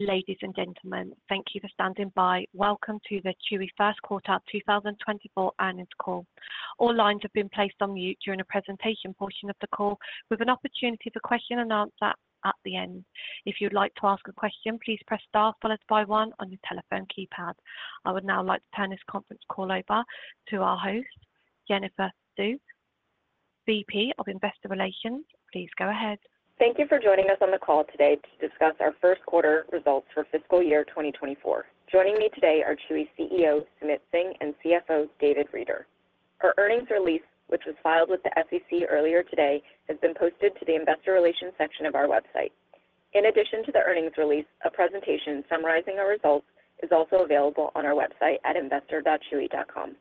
Ladies and gentlemen, thank you for standing by. Welcome to the Chewy First Quarter 2024 Earnings Call. All lines have been placed on mute during the presentation portion of the call, with an opportunity for question and answer at the end. If you'd like to ask a question, please press Star followed by one on your telephone keypad. I would now like to turn this conference call over to our host, Jennifer Hsu, VP of Investor Relations. Please go ahead. Thank you for joining us on the call today to discuss our first quarter results for fiscal year 2024. Joining me today are Chewy's CEO, Sumit Singh, and CFO, David Reeder. Our earnings release, which was filed with the SEC earlier today, has been posted to the investor relations section of our website. In addition to the earnings release, a presentation summarizing our results is also available on our website at investor.chewy.com.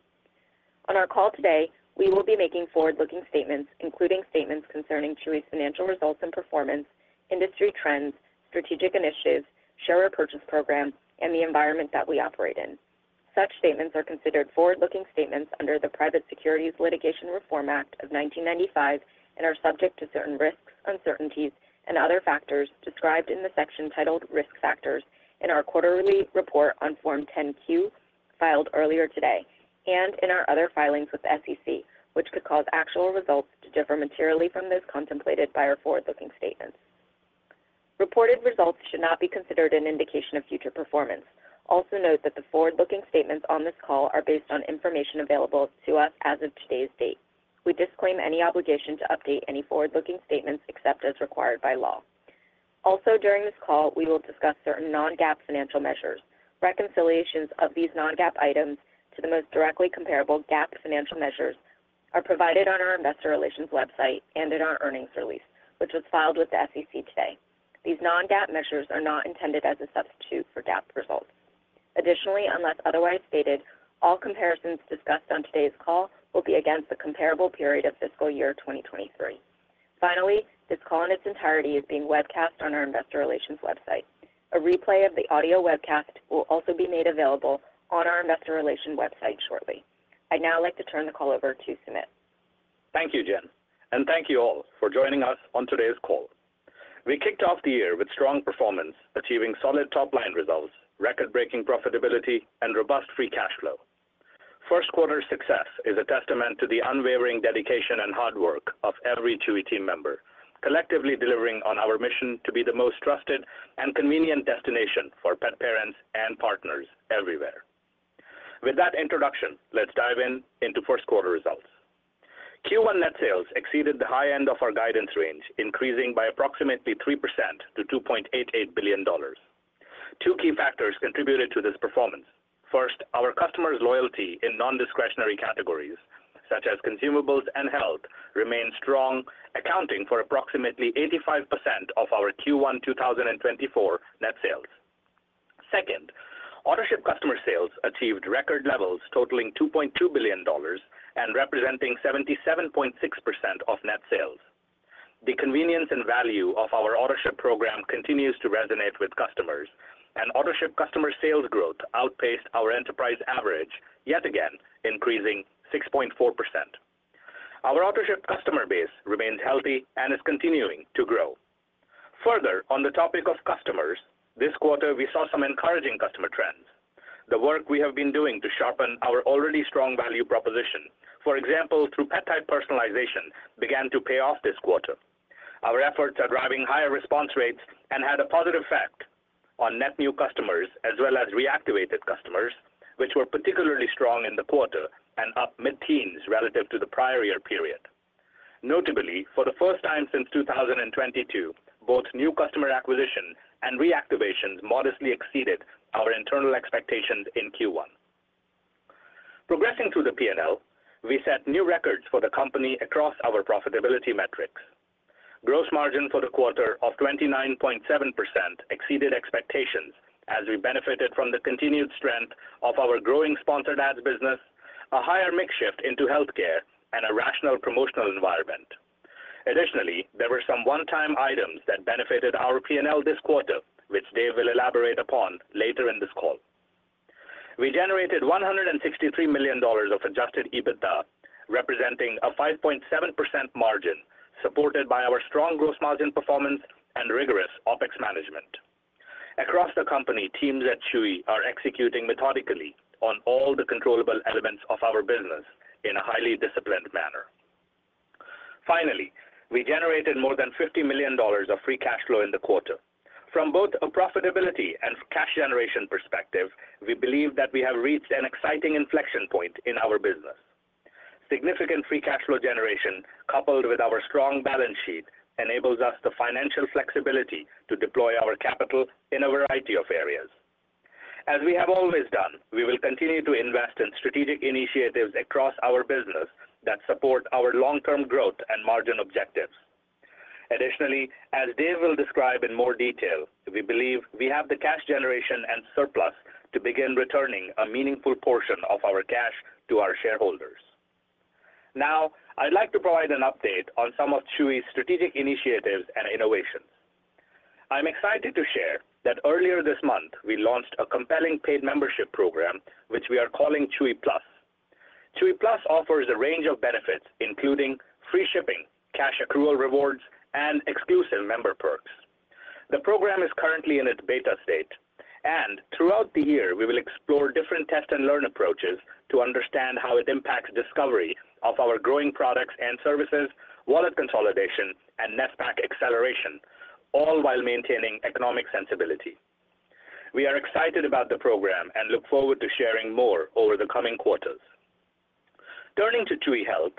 On our call today, we will be making forward-looking statements, including statements concerning Chewy's financial results and performance, industry trends, strategic initiatives, share repurchase program, and the environment that we operate in. Such statements are considered forward-looking statements under the Private Securities Litigation Reform Act of 1995 and are subject to certain risks, uncertainties and other factors described in the section titled Risk Factors in our quarterly report on Form 10-Q, filed earlier today, and in our other filings with the SEC, which could cause actual results to differ materially from those contemplated by our forward-looking statements. Reported results should not be considered an indication of future performance. Also note that the forward-looking statements on this call are based on information available to us as of today's date. We disclaim any obligation to update any forward-looking statements except as required by law. Also, during this call, we will discuss certain non-GAAP financial measures. Reconciliations of these non-GAAP items to the most directly comparable GAAP financial measures are provided on our investor relations website and in our earnings release, which was filed with the SEC today. These non-GAAP measures are not intended as a substitute for GAAP results. Additionally, unless otherwise stated, all comparisons discussed on today's call will be against the comparable period of fiscal year 2023. Finally, this call in its entirety is being webcast on our investor relations website. A replay of the audio webcast will also be made available on our investor relations website shortly. I'd now like to turn the call over to Sumit. Thank you, Jen, and thank you all for joining us on today's call. We kicked off the year with strong performance, achieving solid top-line results, record-breaking profitability and robust free cash flow. First quarter success is a testament to the unwavering dedication and hard work of every Chewy team member, collectively delivering on our mission to be the most trusted and convenient destination for pet parents and partners everywhere. With that introduction, let's dive in into first quarter results. Q1 net sales exceeded the high end of our guidance range, increasing by approximately 3% to $2.8 billion. Two key factors contributed to this performance. First, our customers' loyalty in non-discretionary categories such as consumables and health, remained strong, accounting for approximately 85% of our Q1 2024 net sales. Second, Autoship customer sales achieved record levels, totaling $2.2 billion and representing 77.6% of net sales. The convenience and value of our Autoship program continues to resonate with customers, and Autoship customer sales growth outpaced our enterprise average, yet again, increasing 6.4%. Our Autoship customer base remains healthy and is continuing to grow. Further, on the topic of customers, this quarter, we saw some encouraging customer trends. The work we have been doing to sharpen our already strong value proposition, for example, through pet type personalization, began to pay off this quarter. Our efforts are driving higher response rates and had a positive effect on net new customers as well as reactivated customers, which were particularly strong in the quarter and up mid-teens relative to the prior year period. Notably, for the first time since 2022, both new customer acquisition and reactivation modestly exceeded our internal expectations in Q1. Progressing through the P&L, we set new records for the company across our profitability metrics. Gross margin for the quarter of 29.7% exceeded expectations as we benefited from the continued strength of our growing sponsored ads business, a higher mix shift into healthcare and a rational promotional environment. Additionally, there were some one-time items that benefited our P&L this quarter, which Dave will elaborate upon later in this call. We generated $163 million of adjusted EBITDA, representing a 5.7% margin, supported by our strong gross margin performance and rigorous OpEx management. Across the company, teams at Chewy are executing methodically on all the controllable elements of our business in a highly disciplined manner. Finally, we generated more than $50 million of free cash flow in the quarter. From both a profitability and cash generation perspective, we believe that we have reached an exciting inflection point in our business. Significant free cash flow generation, coupled with our strong balance sheet, enables us the financial flexibility to deploy our capital in a variety of areas. As we have always done, we will continue to invest in strategic initiatives across our business that support our long-term growth and margin objectives. Additionally, as Dave will describe in more detail, we believe we have the cash generation and surplus to begin returning a meaningful portion of our cash to our shareholders. Now, I'd like to provide an update on some of Chewy's strategic initiatives and innovations. I'm excited to share that earlier this month, we launched a compelling paid membership program, which we are calling Chewy Plus. Chewy Plus offers a range of benefits, including free shipping, cash accrual rewards, and exclusive member perks. The program is currently in its beta state, and throughout the year, we will explore different test and learn approaches to understand how it impacts discovery of our growing products and services, wallet consolidation, and NSPAC acceleration, all while maintaining economic sensibility. We are excited about the program and look forward to sharing more over the coming quarters. Turning to Chewy Health,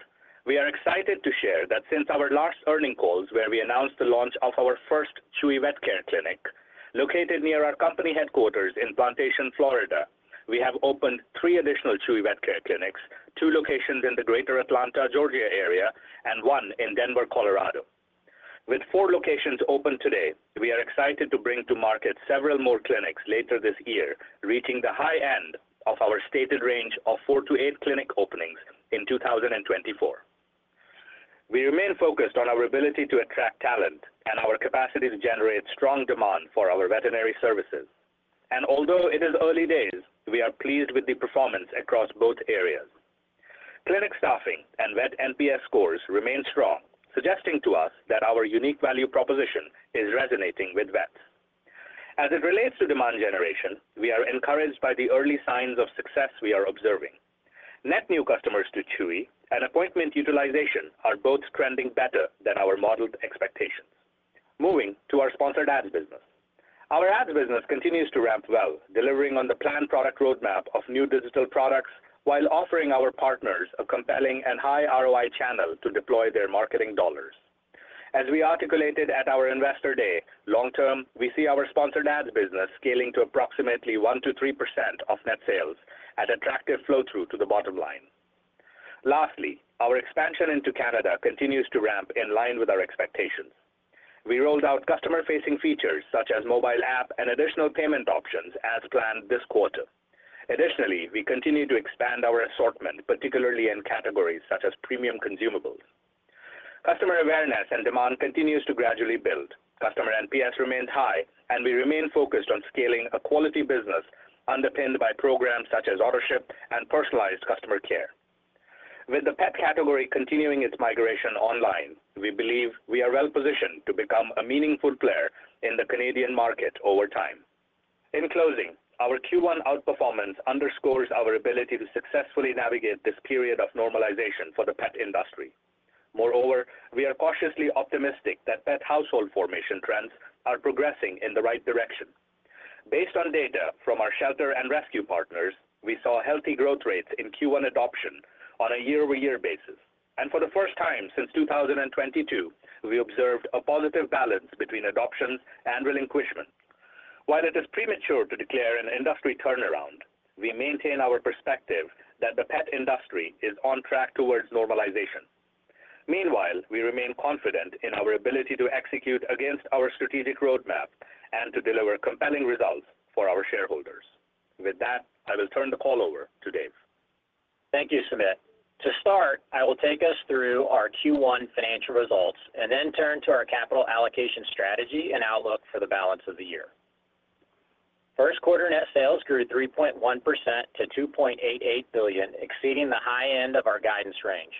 we are excited to share that since our last earnings calls, where we announced the launch of our first Chewy Vet Care clinic, located near our company headquarters in Plantation, Florida, we have opened three additional Chewy Vet Care clinics, two locations in the Greater Atlanta, Georgia area, and one in Denver, Colorado. With 4 locations open today, we are excited to bring to market several more clinics later this year, reaching the high end of our stated range of 4-8 clinic openings in 2024. We remain focused on our ability to attract talent and our capacity to generate strong demand for our veterinary services. Although it is early days, we are pleased with the performance across both areas. Clinic staffing and vet NPS scores remain strong, suggesting to us that our unique value proposition is resonating with vets. As it relates to demand generation, we are encouraged by the early signs of success we are observing. Net new customers to Chewy and appointment utilization are both trending better than our modeled expectations. Moving to our Sponsored Ads business. Our ads business continues to ramp well, delivering on the planned product roadmap of new digital products, while offering our partners a compelling and high ROI channel to deploy their marketing dollars. As we articulated at our Investor Day, long-term, we see our sponsored ads business scaling to approximately 1%-3% of net sales at attractive flow-through to the bottom line. Lastly, our expansion into Canada continues to ramp in line with our expectations. We rolled out customer-facing features such as mobile app and additional payment options as planned this quarter. Additionally, we continue to expand our assortment, particularly in categories such as premium consumables. Customer awareness and demand continues to gradually build. Customer NPS remains high, and we remain focused on scaling a quality business underpinned by programs such as Autoship and personalized customer care. With the pet category continuing its migration online, we believe we are well positioned to become a meaningful player in the Canadian market over time. In closing, our Q1 outperformance underscores our ability to successfully navigate this period of normalization for the pet industry. Moreover, we are cautiously optimistic that pet household formation trends are progressing in the right direction. Based on data from our shelter and rescue partners, we saw healthy growth rates in Q1 adoption on a year-over-year basis, and for the first time since 2022, we observed a positive balance between adoptions and relinquishment. While it is premature to declare an industry turnaround, we maintain our perspective that the pet industry is on track towards normalization. Meanwhile, we remain confident in our ability to execute against our strategic roadmap and to deliver compelling results for our shareholders. With that, I will turn the call over to Dave. Thank you, Sumit. To start, I will take us through our Q1 financial results and then turn to our capital allocation strategy and outlook for the balance of the year. First quarter net sales grew 3.1% to $2.88 billion, exceeding the high end of our guidance range.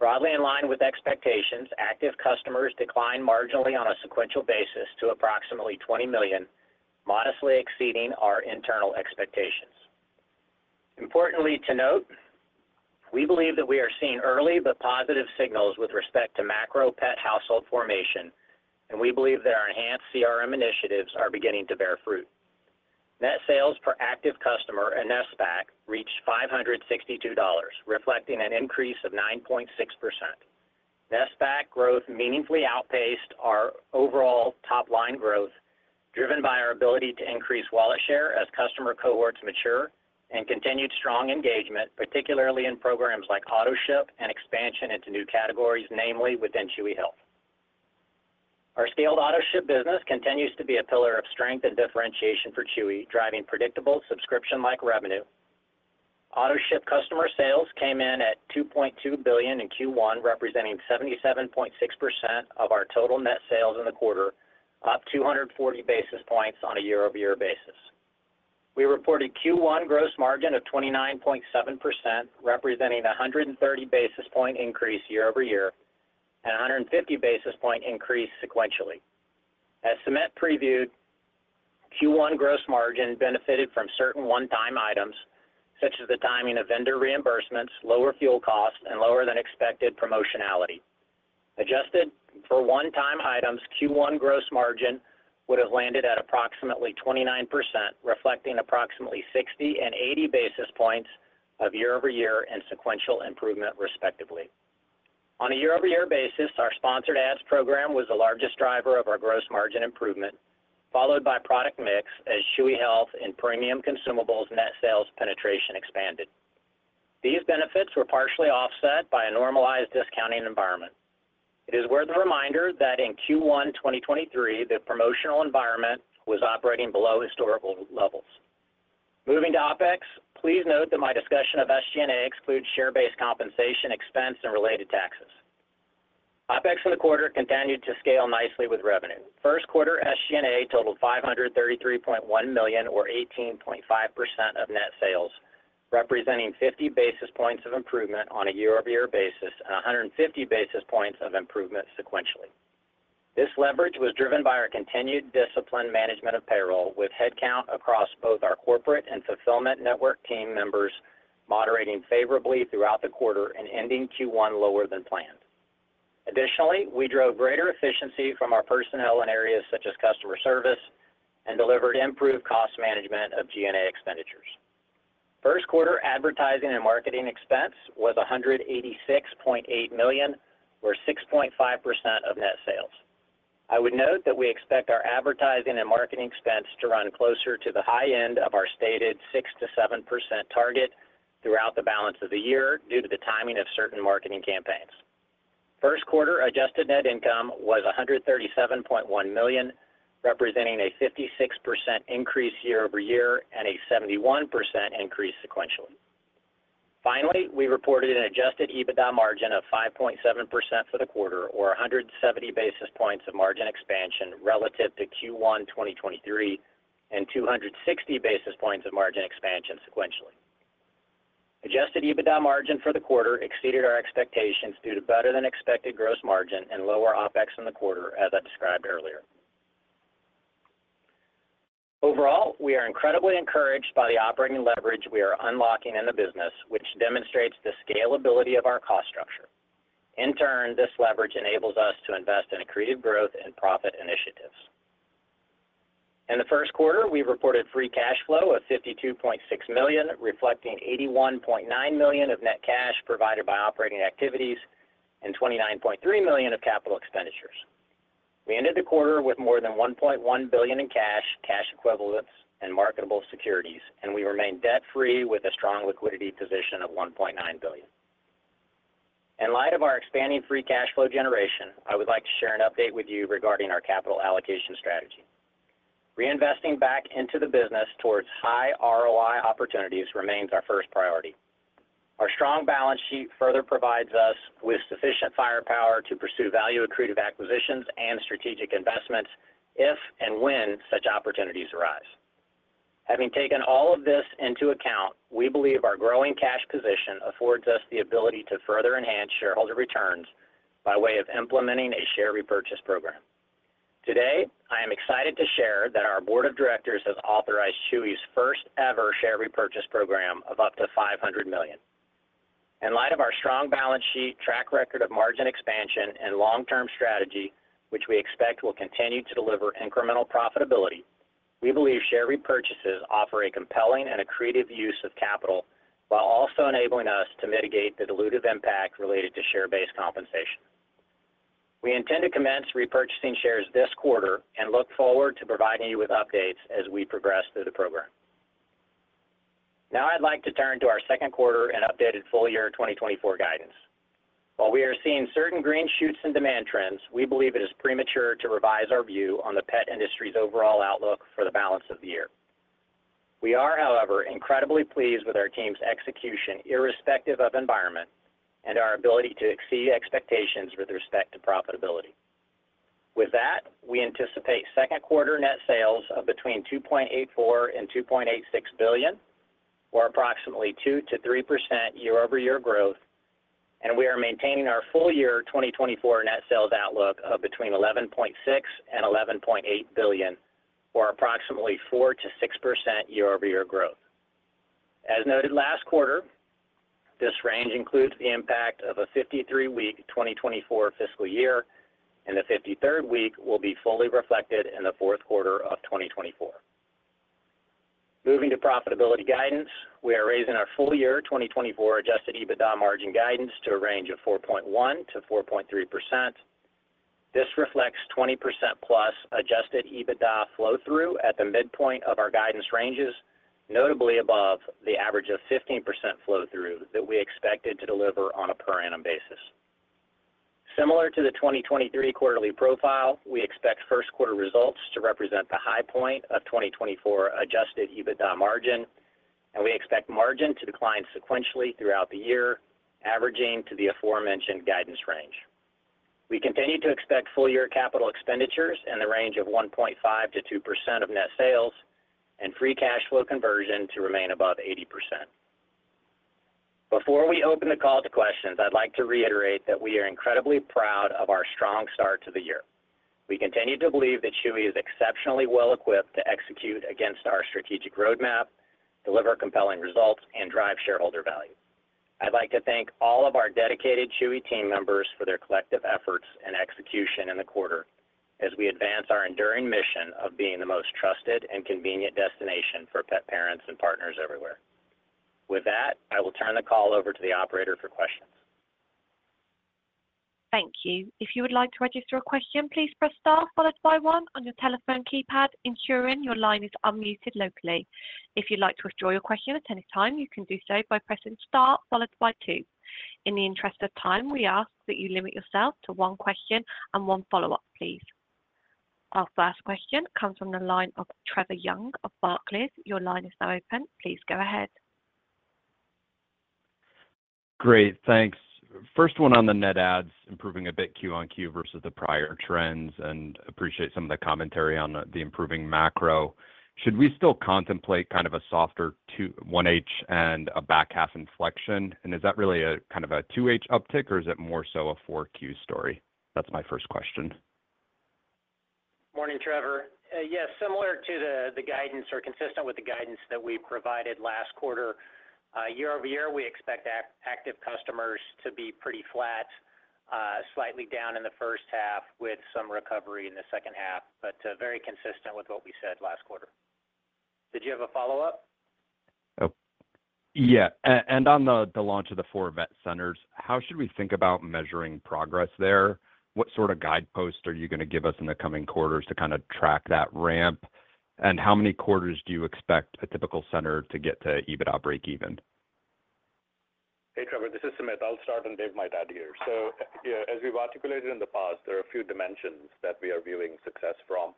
Broadly in line with expectations, active customers declined marginally on a sequential basis to approximately 20 million, modestly exceeding our internal expectations. Importantly to note, we believe that we are seeing early but positive signals with respect to macro pet household formation, and we believe that our enhanced CRM initiatives are beginning to bear fruit. Net sales per active customer and NSPAC reached $562, reflecting an increase of 9.6%. NSPAC growth meaningfully outpaced our overall top-line growth, driven by our ability to increase wallet share as customer cohorts mature and continued strong engagement, particularly in programs like Autoship and expansion into new categories, namely within Chewy Health. Our scaled Autoship business continues to be a pillar of strength and differentiation for Chewy, driving predictable subscription-like revenue. Autoship customer sales came in at $2.2 billion in Q1, representing 77.6% of our total net sales in the quarter, up 240 basis points on a year-over-year basis. We reported Q1 gross margin of 29.7%, representing a 130 basis point increase year over year, and a 150 basis point increase sequentially. As Sumit previewed, Q1 gross margin benefited from certain one-time items, such as the timing of vendor reimbursements, lower fuel costs, and lower than expected promotionality. Adjusted for one-time items, Q1 gross margin would have landed at approximately 29%, reflecting approximately 60 and 80 basis points of year-over-year and sequential improvement, respectively. On a year-over-year basis, our sponsored ads program was the largest driver of our gross margin improvement, followed by product mix as Chewy Health and premium consumables net sales penetration expanded. These benefits were partially offset by a normalized discounting environment. It is worth a reminder that in Q1 2023, the promotional environment was operating below historical levels. Moving to OpEx, please note that my discussion of SG&A includes share-based compensation, expense, and related taxes.... OpEx in the quarter continued to scale nicely with revenue. First quarter SG&A totaled $533.1 million, or 18.5% of net sales, representing 50 basis points of improvement on a year-over-year basis, and 150 basis points of improvement sequentially. This leverage was driven by our continued disciplined management of payroll, with headcount across both our corporate and fulfillment network team members moderating favorably throughout the quarter and ending Q1 lower than planned. Additionally, we drove greater efficiency from our personnel in areas such as customer service and delivered improved cost management of G&A expenditures. First quarter advertising and marketing expense was $186.8 million, or 6.5% of net sales. I would note that we expect our advertising and marketing expense to run closer to the high end of our stated 6%-7% target throughout the balance of the year, due to the timing of certain marketing campaigns. First quarter adjusted net income was $137.1 million, representing a 56% increase year over year and a 71% increase sequentially. Finally, we reported an adjusted EBITDA margin of 5.7% for the quarter, or 170 basis points of margin expansion relative to Q1 2023, and 260 basis points of margin expansion sequentially. Adjusted EBITDA margin for the quarter exceeded our expectations due to better-than-expected gross margin and lower OpEx in the quarter, as I described earlier. Overall, we are incredibly encouraged by the operating leverage we are unlocking in the business, which demonstrates the scalability of our cost structure. In turn, this leverage enables us to invest in accretive growth and profit initiatives. In the first quarter, we reported free cash flow of $52.6 million, reflecting $81.9 million of net cash provided by operating activities and $29.3 million of capital expenditures. We ended the quarter with more than $1.1 billion in cash, cash equivalents, and marketable securities, and we remain debt-free with a strong liquidity position of $1.9 billion. In light of our expanding free cash flow generation, I would like to share an update with you regarding our capital allocation strategy. Reinvesting back into the business towards high ROI opportunities remains our first priority. Our strong balance sheet further provides us with sufficient firepower to pursue value accretive acquisitions and strategic investments if and when such opportunities arise. Having taken all of this into account, we believe our growing cash position affords us the ability to further enhance shareholder returns by way of implementing a share repurchase program. Today, I am excited to share that our board of directors has authorized Chewy's first-ever share repurchase program of up to $500 million. In light of our strong balance sheet, track record of margin expansion, and long-term strategy, which we expect will continue to deliver incremental profitability, we believe share repurchases offer a compelling and accretive use of capital, while also enabling us to mitigate the dilutive impact related to share-based compensation. We intend to commence repurchasing shares this quarter and look forward to providing you with updates as we progress through the program. Now, I'd like to turn to our second quarter and updated full year 2024 guidance. While we are seeing certain green shoots and demand trends, we believe it is premature to revise our view on the pet industry's overall outlook for the balance of the year. We are, however, incredibly pleased with our team's execution, irrespective of environment, and our ability to exceed expectations with respect to profitability. With that, we anticipate second quarter net sales of between $2.84 billion-$2.86 billion, or approximately 2%-3% year-over-year growth, and we are maintaining our full year 2024 net sales outlook of between $11.6 billion-$11.8 billion, or approximately 4%-6% year-over-year growth. As noted last quarter, this range includes the impact of a 53-week 2024 fiscal year, and the 53rd week will be fully reflected in the fourth quarter of 2024. Moving to profitability guidance, we are raising our full year 2024 adjusted EBITDA margin guidance to a range of 4.1%-4.3%. This reflects 20%+ adjusted EBITDA flow through at the midpoint of our guidance ranges, notably above the average of 15% flow through that we expected to deliver on a per annum basis. Similar to the 2023 quarterly profile, we expect first quarter results to represent the high point of 2024 adjusted EBITDA margin, and we expect margin to decline sequentially throughout the year, averaging to the aforementioned guidance range. We continue to expect full-year capital expenditures in the range of 1.5%-2% of net sales and free cash flow conversion to remain above 80%. Before we open the call to questions, I'd like to reiterate that we are incredibly proud of our strong start to the year. We continue to believe that Chewy is exceptionally well equipped to execute against our strategic roadmap, deliver compelling results, and drive shareholder value. I'd like to thank all of our dedicated Chewy team members for their collective efforts and execution in the quarter as we advance our enduring mission of being the most trusted and convenient destination for pet parents and partners everywhere. With that, I will turn the call over to the operator for questions. Thank you. If you would like to register a question, please press Star followed by one on your telephone keypad, ensuring your line is unmuted locally. If you'd like to withdraw your question at any time, you can do so by pressing Star followed by two. In the interest of time, we ask that you limit yourself to one question and one follow-up, please. Our first question comes from the line of Trevor Young of Barclays. Your line is now open. Please go ahead. Great, thanks. First one on the net adds, improving a bit Q on Q versus the prior trends, and appreciate some of the commentary on the, the improving macro. Should we still contemplate kind of a softer 1H and a back half inflection? And is that really a, kind of a 2H uptick, or is it more so a 4Q story? That's my first question. Morning, Trevor. Yes, similar to the guidance or consistent with the guidance that we provided last quarter. Year-over-year, we expect active customers to be pretty flat, slightly down in the first half, with some recovery in the second half, but very consistent with what we said last quarter. Did you have a follow-up? Oh, yeah. And on the launch of the four vet centers, how should we think about measuring progress there? What sort of guideposts are you gonna give us in the coming quarters to kind of track that ramp? And how many quarters do you expect a typical center to get to EBITDA breakeven? Hey, Trevor, this is Sumit. I'll start and give my take here. So, yeah, as we've articulated in the past, there are a few dimensions that we are viewing success from.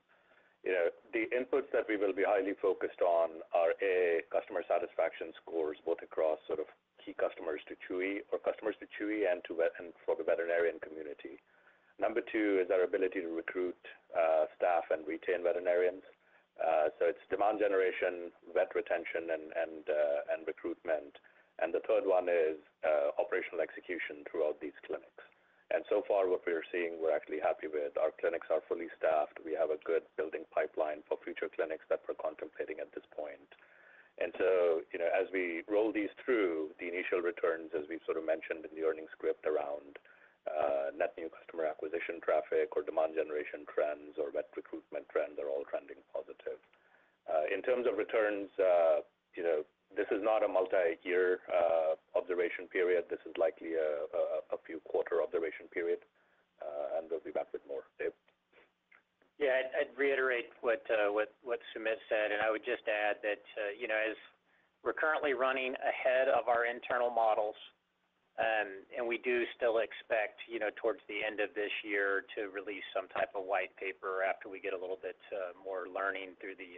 You know, the inputs that we will be highly focused on are, A, customer satisfaction scores, both across sort of key customers to Chewy or customers to Chewy and to vets and for the veterinarian community. Number two is our ability to recruit, staff and retain veterinarians. So it's demand generation, vet retention, and, and, and recruitment. And the third one is, operational execution throughout these clinics. And so far, what we are seeing, we're actually happy with. Our clinics are fully staffed. We have a good building pipeline for future clinics that we're contemplating at this point. And so, you know, as we roll these through, the initial returns, as we sort of mentioned in the earnings script around net new customer acquisition traffic or demand generation trends or vet recruitment trends, are all trending positive. In terms of returns, you know, this is not a multiyear observation period. This is likely a few quarter observation period, and we'll be back with more. Dave? Yeah, I'd reiterate what Sumit said, and I would just add that, you know, as we're currently running ahead of our internal models, and we do still expect, you know, towards the end of this year to release some type of white paper after we get a little bit more learning through the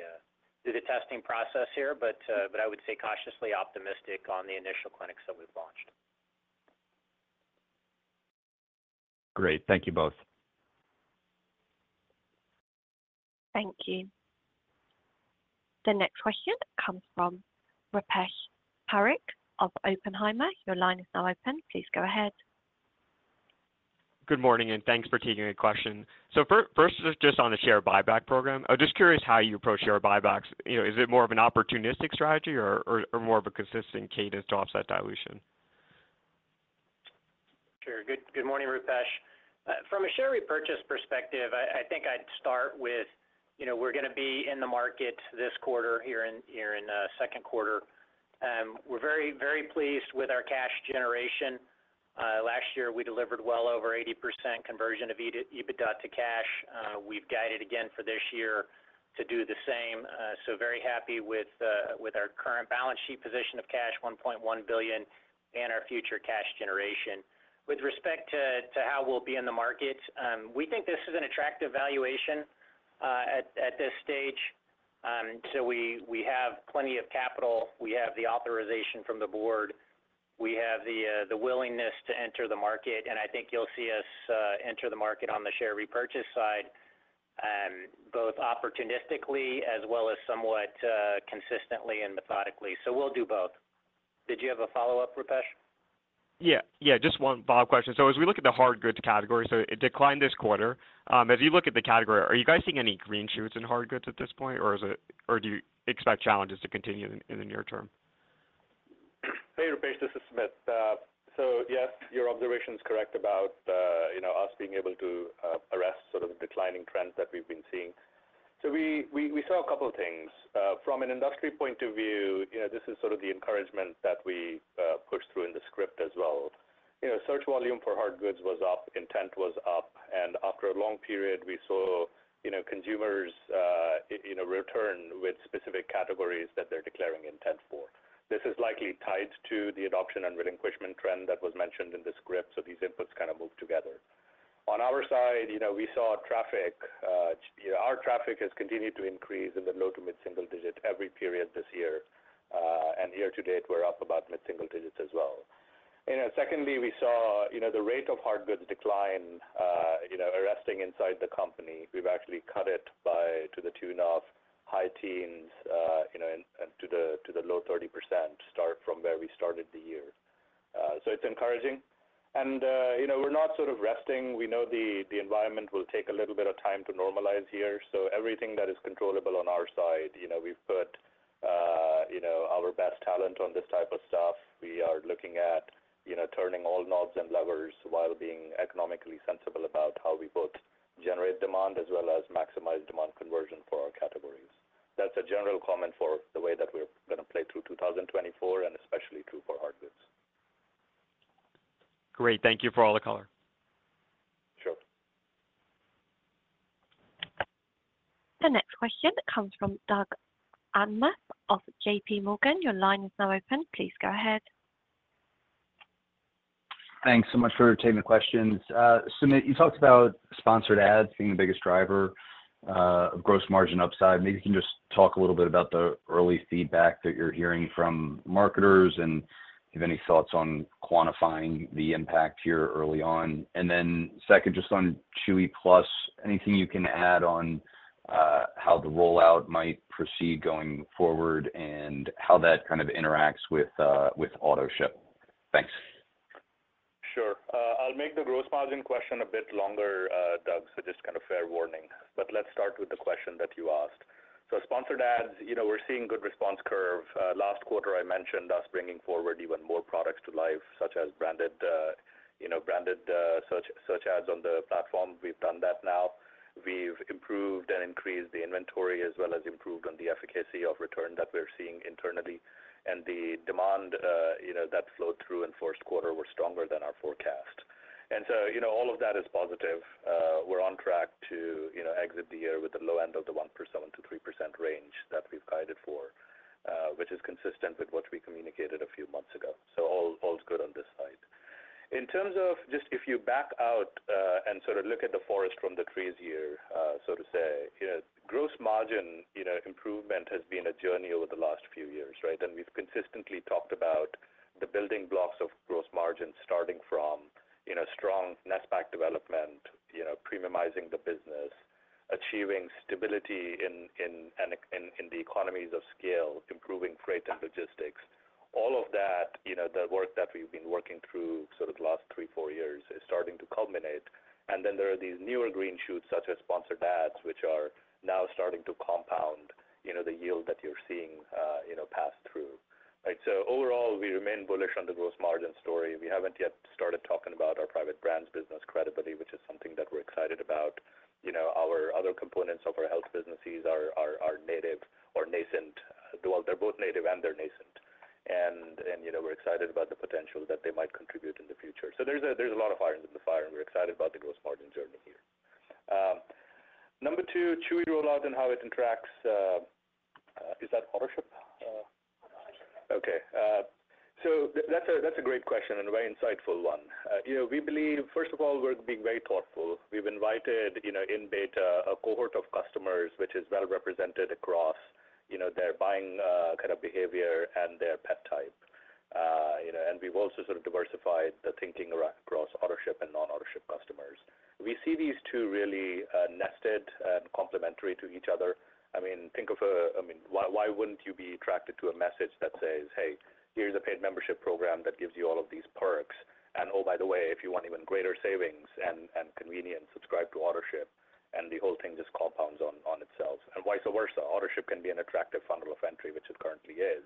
testing process here. But I would say cautiously optimistic on the initial clinics that we've launched. Great. Thank you both. Thank you. The next question comes from Rupesh Parikh of Oppenheimer. Your line is now open. Please go ahead. Good morning, and thanks for taking the question. So first, just on the share buyback program. I'm just curious how you approach share buybacks. You know, is it more of an opportunistic strategy or more of a consistent cadence to offset dilution? Sure. Good morning, Rupesh. From a share repurchase perspective, I think I'd start with, you know, we're gonna be in the market this quarter, here in second quarter. We're very pleased with our cash generation. Last year, we delivered well over 80% conversion of adjusted EBITDA to cash. We've guided again for this year to do the same. So very happy with our current balance sheet position of cash, $1.1 billion, and our future cash generation. With respect to how we'll be in the market, we think this is an attractive valuation, at this stage. So we have plenty of capital. We have the authorization from the board. We have the willingness to enter the market, and I think you'll see us enter the market on the share repurchase side, both opportunistically as well as somewhat consistently and methodically. So we'll do both. Did you have a follow-up, Rupesh? Yeah, yeah, just one follow-up question. So as we look at the hard goods category, so it declined this quarter. As you look at the category, are you guys seeing any green shoots in hard goods at this point, or is it... or do you expect challenges to continue in the near term? Hey, Rupesh, this is Sumit. So yes, your observation is correct about, you know, us being able to arrest sort of declining trends that we've been seeing. So we saw a couple of things. From an industry point of view, you know, this is sort of the encouragement that we pushed through in the script as well. You know, search volume for hard goods was up, intent was up, and after a long period, we saw, you know, consumers, you know, return with specific categories that they're declaring intent for. This is likely tied to the adoption and relinquishment trend that was mentioned in the script, so these inputs kind of move together. On our side, you know, we saw traffic, you know, our traffic has continued to increase in the low- to mid-single-digit every period this year, and year to date, we're up about mid-single digits as well. You know, secondly, we saw, you know, the rate of hardgoods decline, you know, arrested inside the company. We've actually cut it by to the tune of high teens, you know, and, and to the, to the low thirties percent, starting from where we started the year. So it's encouraging. And, you know, we're not sort of resting. We know the, the environment will take a little bit of time to normalize here, so everything that is controllable on our side, you know, we've put, you know, our best talent on this type of stuff. We are looking at, you know, turning all knobs and levers while being economically sensible about how we both generate demand as well as maximize demand conversion for our categories. That's a general comment for the way that we're gonna play through 2024 and especially true for hard goods. Great. Thank you for all the color. Sure. The next question comes from Doug Anmuth of J.P. Morgan. Your line is now open. Please go ahead.... Thanks so much for taking the questions. Sumit, you talked about sponsored ads being the biggest driver of gross margin upside. Maybe you can just talk a little bit about the early feedback that you're hearing from marketers, and if you have any thoughts on quantifying the impact here early on. And then second, just on Chewy Plus, anything you can add on how the rollout might proceed going forward and how that kind of interacts with Autoship? Thanks. Sure. I'll make the gross margin question a bit longer, Doug, so just kind of fair warning. But let's start with the question that you asked. So sponsored ads, you know, we're seeing good response curve. Last quarter, I mentioned us bringing forward even more products to life, such as branded, you know, branded, search ads on the platform. We've done that now. We've improved and increased the inventory, as well as improved on the efficacy of return that we're seeing internally. And the demand, you know, that flowed through in first quarter were stronger than our forecast. And so, you know, all of that is positive. We're on track to, you know, exit the year with the low end of the 1%-3% range that we've guided for, which is consistent with what we communicated a few months ago. So all's good on this side. In terms of just if you back out and sort of look at the forest from the trees here, so to say, you know, gross margin improvement has been a journey over the last few years, right? And we've consistently talked about the building blocks of gross margin, starting from, you know, strong Netback development, you know, premiumizing the business, achieving stability in the economies of scale, improving freight and logistics. All of that, you know, the work that we've been working through sort of the last three, four years is starting to culminate. And then there are these newer green shoots, such as Sponsored Ads, which are now starting to compound, you know, the yield that you're seeing, pass through. Right, so overall, we remain bullish on the gross margin story. We haven't yet started talking about our private brands business credibility, which is something that we're excited about. You know, our other components of our health businesses are native or nascent. Well, they're both native and they're nascent. And you know, we're excited about the potential that they might contribute in the future. So there's a lot of irons in the fire, and we're excited about the gross margin journey here. Number two, Chewy Plus rollout and how it interacts, is that Autoship? Okay. So that's a great question and a very insightful one. You know, we believe, first of all, we're being very thoughtful. We've invited, you know, in beta, a cohort of customers, which is well represented across, you know, their buying kind of behavior and their pet type. You know, and we've also sort of diversified the thinking around across Autoship and non-Autoship customers. We see these two really nested and complementary to each other. I mean, think of—I mean, why, why wouldn't you be attracted to a message that says, "Hey, here's a paid membership program that gives you all of these perks. And oh, by the way, if you want even greater savings and, and convenience, subscribe to Autoship," and the whole thing just compounds on, on itself. And vice versa, Autoship can be an attractive funnel of entry, which it currently is.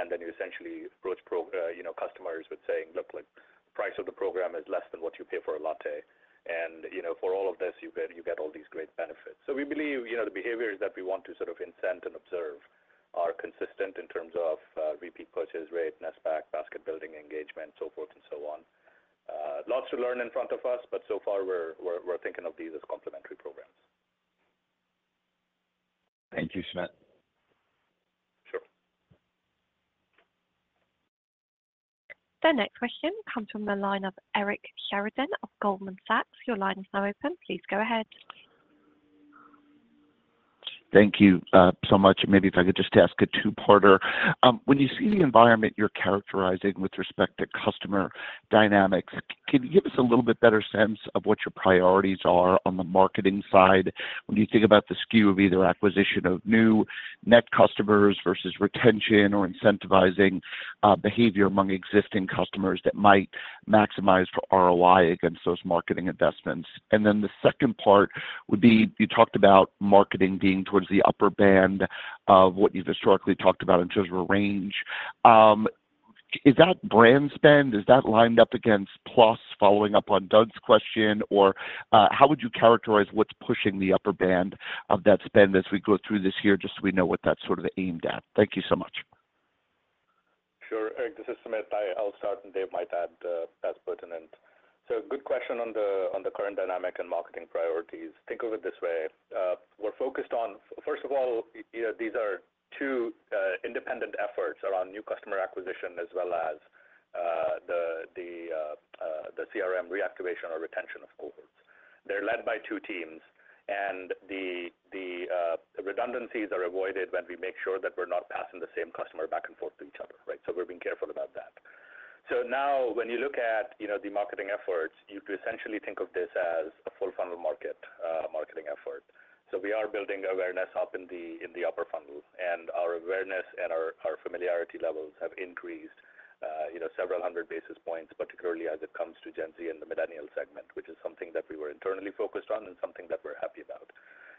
And then you essentially approach pro-, you know, customers with saying, "Look, like, price of the program is less than what you pay for a latte. And, you know, for all of this, you get, you get all these great benefits." So we believe, you know, the behaviors that we want to sort of incent and observe are consistent in terms of, repeat purchase rate, Netback, basket building engagement, so forth and so on. Lots to learn in front of us, but so far we're, we're, we're thinking of these as complementary programs. Thank you, Sumit. Sure. The next question comes from the line of Eric Sheridan of Goldman Sachs. Your line is now open. Please go ahead. Thank you, so much. Maybe if I could just ask a two-parter. When you see the environment you're characterizing with respect to customer dynamics, can you give us a little bit better sense of what your priorities are on the marketing side when you think about the skew of either acquisition of new net customers versus retention or incentivizing, behavior among existing customers that might maximize for ROI against those marketing investments? And then the second part would be, you talked about marketing being towards the upper band of what you've historically talked about in terms of a range. Is that brand spend, is that lined up against Plus, following up on Doug's question? Or, how would you characterize what's pushing the upper band of that spend as we go through this year, just so we know what that's sort of aimed at? Thank you so much. Sure, Eric, this is Sumit. I'll start, and Dave might add as pertinent. So good question on the current dynamic and marketing priorities. Think of it this way: we're focused on... First of all, you know, these are two independent efforts around new customer acquisition, as well as the CRM reactivation or retention of cohorts. They're led by two teams, and the redundancies are avoided when we make sure that we're not passing the same customer back and forth to each other, right? So we're being careful about that. So now, when you look at, you know, the marketing efforts, you could essentially think of this as a full funnel marketing effort. So we are building awareness up in the upper funnel, and our awareness and our familiarity levels have increased, you know, several hundred basis points, particularly as it comes to Gen Z and the millennial segment, which is something that we were internally focused on and something that we're happy about.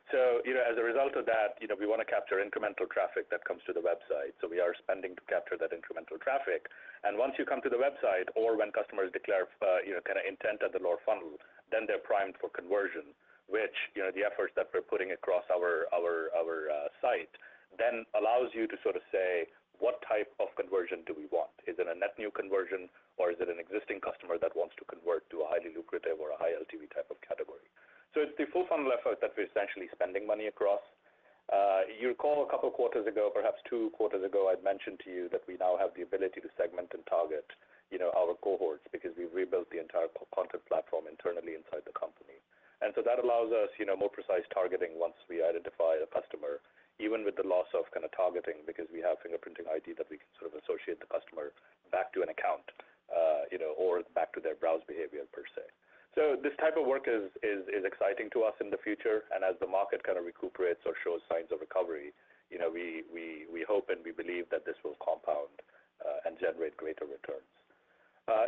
So, you know, as a result of that, you know, we want to capture incremental traffic that comes to the website, so we are spending to capture that incremental traffic. And once you come to the website, or when customers declare, you know, kind of intent at the lower funnel, then they're primed for conversion, which, you know, the efforts that we're putting across our site then allows you to sort of say: What type of conversion do we want? Is it a net new conversion, or is it an existing customer that wants to come back? LTV type of category. So it's the full funnel effort that we're essentially spending money across. You'll recall a couple of quarters ago, perhaps two quarters ago, I'd mentioned to you that we now have the ability to segment and target, you know, our cohorts because we've rebuilt the entire customer content platform internally inside the company. And so that allows us, you know, more precise targeting once we identify a customer, even with the loss of kind of targeting, because we have fingerprinting ID that we can sort of associate the customer back to an account, you know, or back to their browse behavior per se. So this type of work is exciting to us in the future. As the market kind of recuperates or shows signs of recovery, you know, we hope and we believe that this will compound and generate greater returns.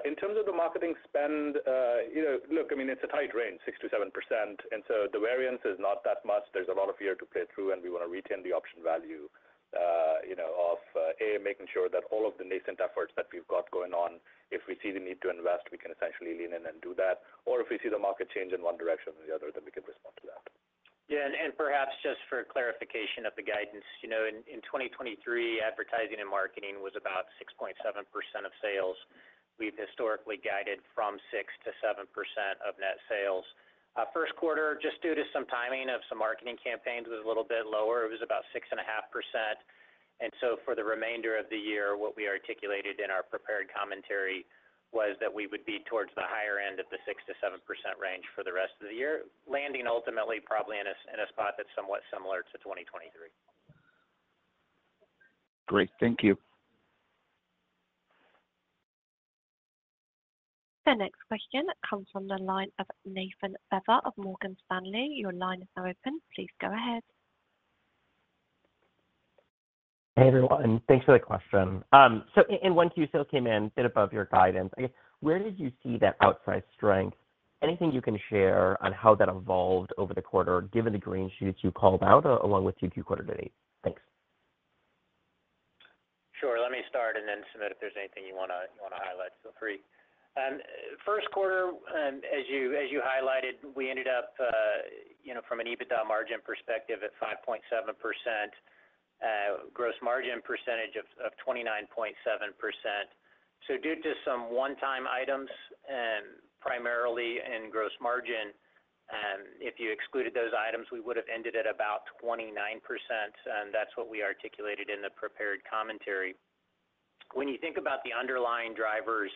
In terms of the marketing spend, you know, look, I mean, it's a tight range, 6%-7%, and so the variance is not that much. There's a lot of year to play through, and we want to retain the option value, you know, of A, making sure that all of the nascent efforts that we've got going on, if we see the need to invest, we can essentially lean in and do that, or if we see the market change in one direction or the other, then we can respond to that. Yeah, and perhaps just for clarification of the guidance, you know, in 2023, advertising and marketing was about 6.7% of sales. We've historically guided from 6%-7% of net sales. First quarter, just due to some timing of some marketing campaigns, was a little bit lower. It was about 6.5%. And so for the remainder of the year, what we articulated in our prepared commentary was that we would be towards the higher end of the 6%-7% range for the rest of the year, landing ultimately probably in a spot that's somewhat similar to 2023. Great. Thank you. The next question comes from the line of Nathan Feather of Morgan Stanley. Your line is now open. Please go ahead. Hey, everyone. Thanks for the question. So in 1Q, sales came in a bit above your guidance. Where did you see that outsized strength? Anything you can share on how that evolved over the quarter, given the green shoots you called out along with 2Q quarter date? Thanks. Sure. Let me start and then, Sumit, if there's anything you wanna, you wanna highlight, feel free. First quarter, as you, as you highlighted, we ended up, you know, from an EBITDA margin perspective at 5.7%, gross margin percentage of 29.7%. So due to some one-time items, and primarily in gross margin, if you excluded those items, we would have ended at about 29%, and that's what we articulated in the prepared commentary. When you think about the underlying drivers,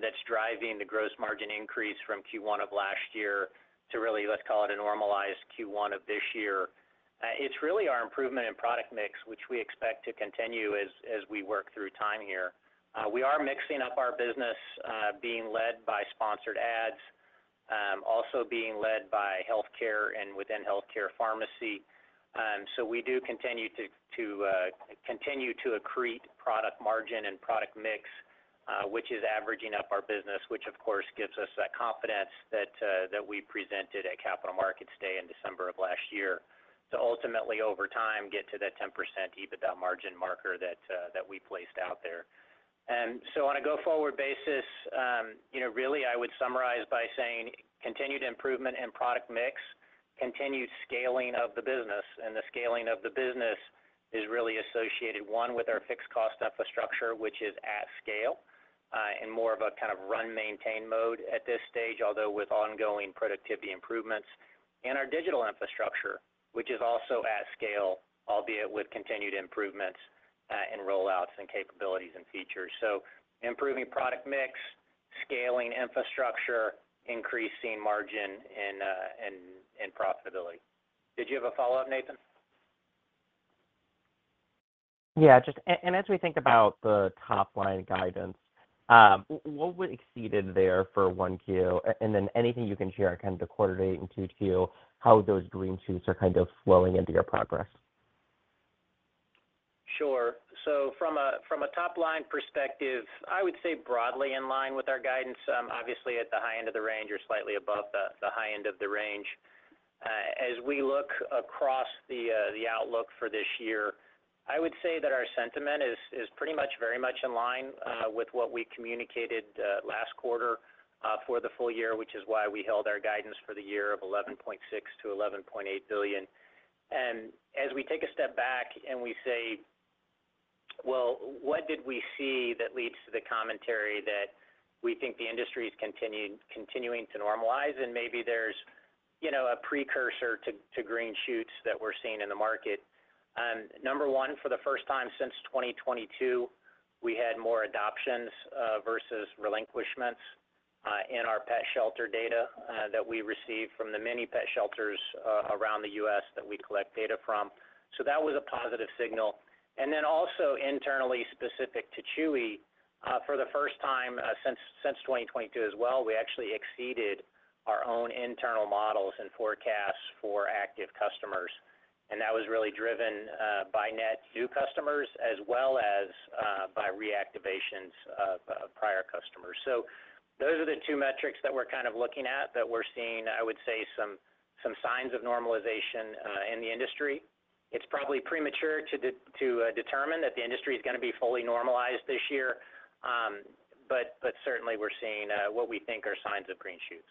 that's driving the gross margin increase from Q1 of last year to really, let's call it a normalized Q1 of this year, it's really our improvement in product mix, which we expect to continue as, as we work through time here. We are mixing up our business, being led by sponsored ads, also being led by healthcare and within healthcare, pharmacy. So we do continue to continue to accrete product margin and product mix, which is averaging up our business, which, of course, gives us that confidence that that we presented at Capital Markets Day in December of last year. To ultimately, over time, get to that 10% EBITDA margin marker that that we placed out there. So on a go-forward basis, you know, really, I would summarize by saying continued improvement in product mix, continued scaling of the business, and the scaling of the business is really associated, one, with our fixed cost infrastructure, which is at scale, and more of a kind of run, maintain mode at this stage, although with ongoing productivity improvements. Our digital infrastructure, which is also at scale, albeit with continued improvements in rollouts and capabilities and features. Improving product mix, scaling infrastructure, increasing margin, and profitability. Did you have a follow-up, Nathan? Yeah, just... and as we think about the top-line guidance, what we exceeded there for 1Q, and then anything you can share kind of quarter-to-date and 2Q, how those green shoots are kind of flowing into your progress? Sure. So from a top-line perspective, I would say broadly in line with our guidance, obviously at the high end of the range or slightly above the high end of the range. As we look across the outlook for this year, I would say that our sentiment is pretty much very much in line with what we communicated last quarter for the full year, which is why we held our guidance for the year of $11.6 billion-$11.8 billion. And as we take a step back and we say, well, what did we see that leads to the commentary that we think the industry is continuing to normalize, and maybe there's, you know, a precursor to green shoots that we're seeing in the market. Number 1, for the first time since 2022, we had more adoptions versus relinquishments in our pet shelter data that we received from the many pet shelters around the U.S. that we collect data from. So that was a positive signal. And then also internally specific to Chewy, for the first time since 2022 as well, we actually exceeded our own internal models and forecasts for active customers, and that was really driven by net new customers as well as by reactivations of prior customers. So those are the two metrics that we're kind of looking at, that we're seeing, I would say, some signs of normalization in the industry. It's probably premature to determine that the industry is gonna be fully normalized this year, but certainly we're seeing what we think are signs of green shoots.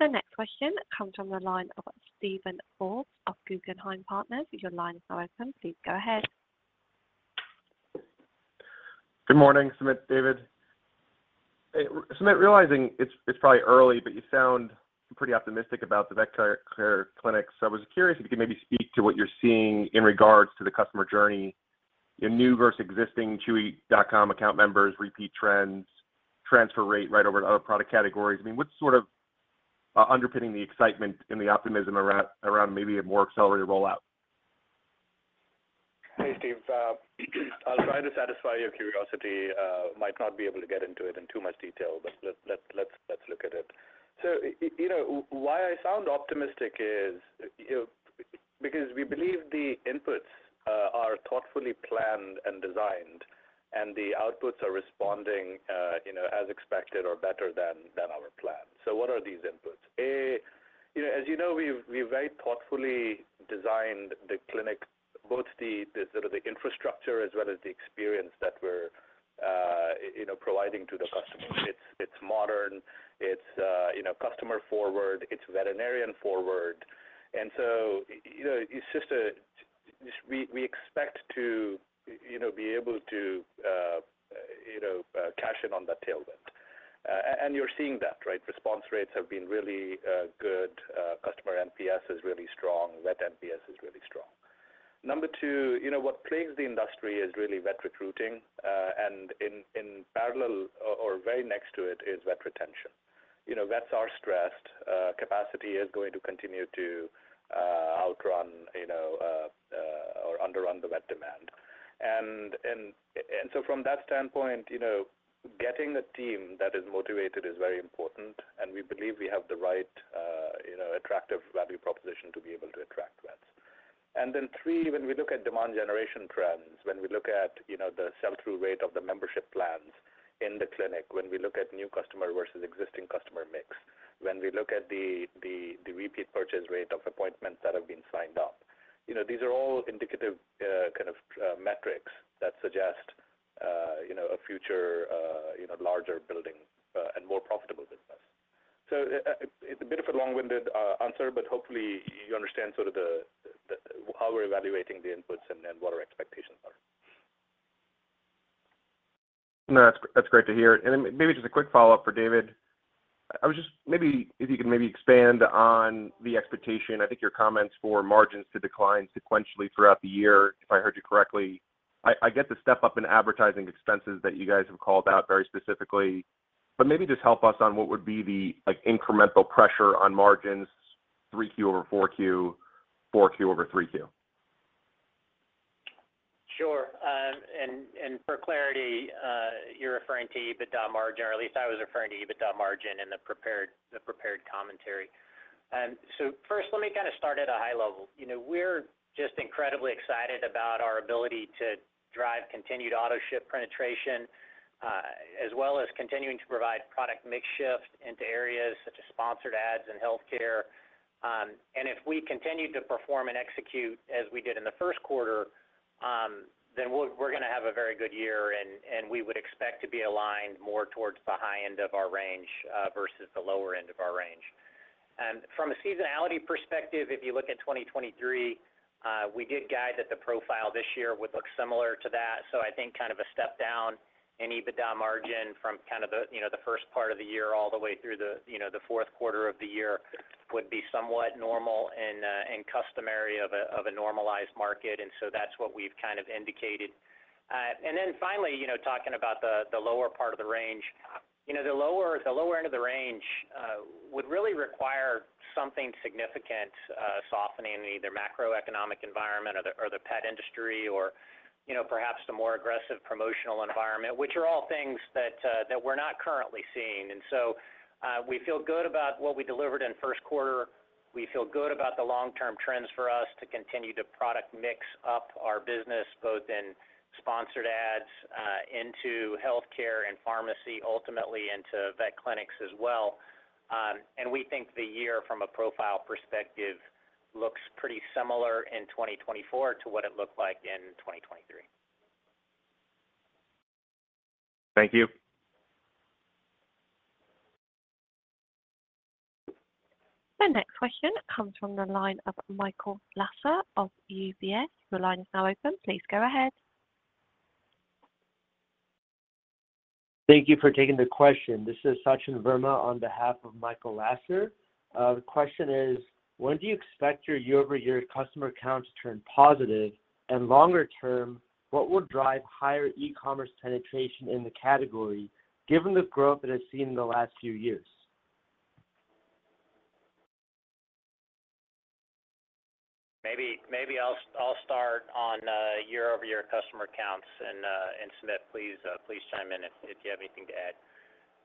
The next question comes from the line of Stephen Forbes of Guggenheim Partners. Your line is now open, please go ahead. Good morning, Sumit, David. Hey, Sumit, realizing it's probably early, but you sound pretty optimistic about the veterinary care clinics. So I was curious if you could maybe speak to what you're seeing in regards to the customer journey in new versus existing Chewy.com account members, repeat trends, transfer rate right over to other product categories. I mean, what's sort of underpinning the excitement and the optimism around maybe a more accelerated rollout? Hey, Steve, I'll try to satisfy your curiosity, might not be able to get into it in too much detail, but let's look at it. So, you know, why I sound optimistic is, you know, because we believe the inputs are thoughtfully planned and designed, and the outputs are responding, you know, as expected or better than our plan. So what are these inputs? You know, as you know, we've very thoughtfully designed the clinic, both the infrastructure as well as the experience that we're providing to the customers. It's modern, it's customer forward, it's veterinarian forward. And so, you know, it's just a we expect to be able to cash in on that tailwind. And you're seeing that, right? Response rates have been really good, customer NPS is really strong, vet NPS is really strong. Number two, you know, what plagues the industry is really vet recruiting, and in parallel or very next to it is vet retention. You know, vets are stressed, capacity is going to continue to outrun, you know, or underrun the vet demand. And so from that standpoint, you know, getting a team that is motivated is very important, and we believe we have the right, you know, attractive value proposition to be able to attract vets. And then three, when we look at demand generation trends, when we look at, you know, the sell-through rate of the membership plans in the clinic, when we look at new customer versus existing customer mix, when we look at the repeat purchase rate of appointments that have been signed up, you know, these are all indicative, kind of, metrics that suggest, you know, a future, you know, larger building, and more profitable business. So, it's a bit of a long-winded answer, but hopefully you understand sort of the how we're evaluating the inputs and then what our expectations are. No, that's great to hear. And then maybe just a quick follow-up for David. Maybe if you could expand on the expectation. I think your comments for margins to decline sequentially throughout the year, if I heard you correctly. I get the step up in advertising expenses that you guys have called out very specifically, but maybe just help us on what would be the, like, incremental pressure on margins 3Q over 4Q, 4Q over 3Q. Sure. And for clarity, you're referring to EBITDA margin, or at least I was referring to EBITDA margin in the prepared commentary. So first, let me kind of start at a high level. You know, we're just incredibly excited about our ability to drive continued auto ship penetration, as well as continuing to provide product mix shift into areas such as sponsored ads and healthcare. And if we continue to perform and execute as we did in the first quarter, then we're gonna have a very good year, and we would expect to be aligned more towards the high end of our range, versus the lower end of our range. And from a seasonality perspective, if you look at 2023, we did guide that the profile this year would look similar to that. So I think kind of a step down in EBITDA margin from kind of the, you know, the first part of the year, all the way through the, you know, the fourth quarter of the year would be somewhat normal and and customary of a normalized market, and so that's what we've kind of indicated. And then finally, you know, talking about the lower part of the range. You know, the lower end of the range would really require something significant softening in either macroeconomic environment or the pet industry or, you know, perhaps the more aggressive promotional environment, which are all things that that we're not currently seeing. And so we feel good about what we delivered in first quarter. We feel good about the long-term trends for us to continue to product mix up our business, both in sponsored ads, into healthcare and pharmacy, ultimately into vet clinics as well. And we think the year, from a profile perspective, looks pretty similar in 2024 to what it looked like in 2023. Thank you. The next question comes from the line of Michael Lasser of UBS. Your line is now open, please go ahead. Thank you for taking the question. This is Sachin Verma on behalf of Michael Lasser. The question is: when do you expect your year-over-year customer counts to turn positive, and longer term, what will drive higher e-commerce penetration in the category, given the growth that has seen in the last few years? Maybe I'll start on year-over-year customer counts, and Sumit, please chime in if you have anything to add.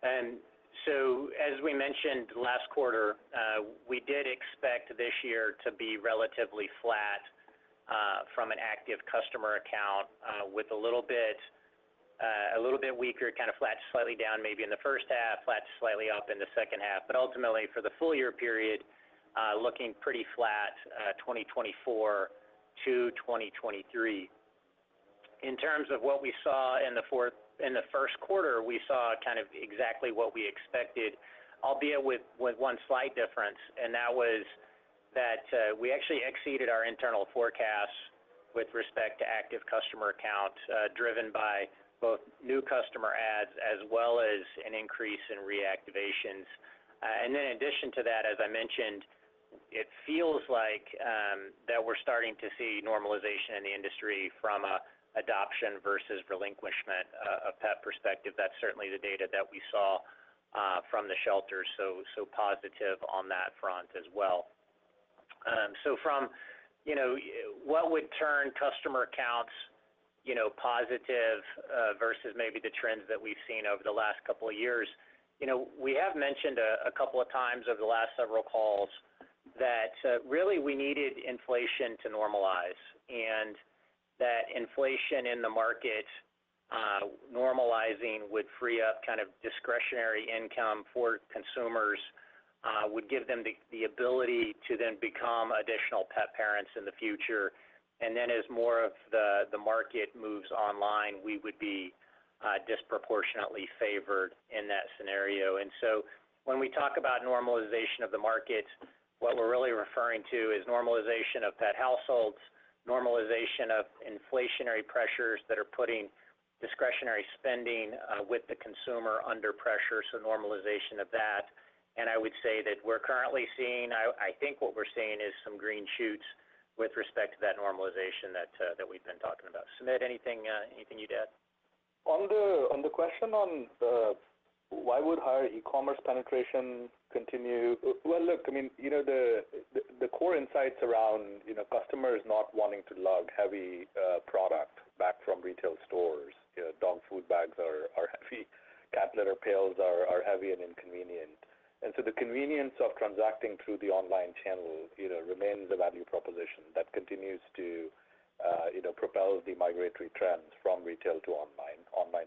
And so, as we mentioned last quarter, we did expect this year to be relatively flat from an active customer account with a little bit weaker, kind of flat, slightly down, maybe in the first half, flat, slightly up in the second half, but ultimately for the full year period looking pretty flat 2024 to 2023. In terms of what we saw in the first quarter, we saw kind of exactly what we expected, albeit with one slight difference, and that was that we actually exceeded our internal forecasts with respect to active customer accounts driven by both new customer adds as well as an increase in reactivations. And in addition to that, as I mentioned, it feels like that we're starting to see normalization in the industry from an adoption versus relinquishment of pet perspective. That's certainly the data that we saw from the shelter, so, so positive on that front as well. So from, you know, what would turn customer accounts, you know, positive versus maybe the trends that we've seen over the last couple of years. You know, we have mentioned a, a couple of times over the last several calls that really we needed inflation to normalize, and that inflation in the market normalizing would free up kind of discretionary income for consumers would give them the, the ability to then become additional pet parents in the future. And then as more of the market moves online, we would be disproportionately favored in that scenario. And so when we talk about normalization of the market, what we're really referring to is normalization of pet households, normalization of inflationary pressures that are putting discretionary spending with the consumer under pressure, so normalization of that. And I would say that we're currently seeing... I think what we're seeing is some green shoots with respect to that normalization that we've been talking about. Sumit, anything you'd add? On the question on why would higher e-commerce penetration continue? Well, look, I mean, you know, the core insights around, you know, customers not wanting to lug heavy product back from retail stores. You know, dog food bags are heavy, cat litter pails are heavy and inconvenient. And so the convenience of transacting through the online channel, you know, remains a value proposition that continues to, you know, propel the migratory trends from retail to online. Online